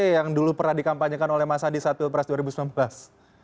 yang dulu pernah dikampanyekan oleh mas andi saat pilpres dua ribu sembilan belas